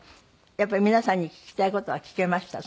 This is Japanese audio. やっぱり皆さんに聞きたい事は聞けました？